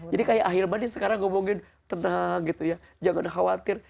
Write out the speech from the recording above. jadi kayak ahilman sekarang ngomongin tenang gitu ya jangan khawatir